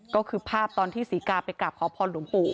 ก็คือภาพตอนที่ศรีกาไปกราบขอพรหลวงปู่